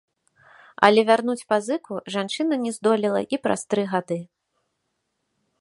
Але вярнуць пазыку жанчына не здолела і праз тры гады.